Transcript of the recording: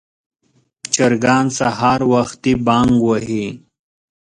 چرګان سهار وختي بانګ وهي.